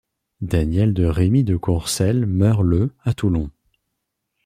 Daniel de Rémy de Courcelles meurt le à Toulon.